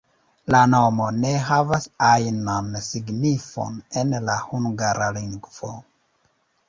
La nomo ne havas ajnan signifon en la hungara lingvo.